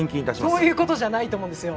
そういうことじゃないと思うんですよ。